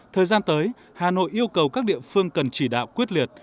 thời gian tới hà nội yêu cầu các địa phương cần chỉ đạo quyết liệt